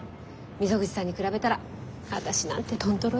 溝口さんに比べたら私なんて豚トロよ。